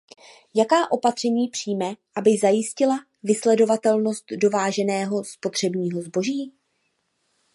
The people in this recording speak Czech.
Jaká opatření přijme, aby zajistila vysledovatelnost dováženého spotřebního zboží?